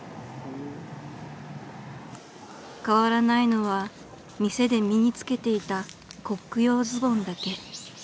［変わらないのは店で身に着けていたコック用ズボンだけ］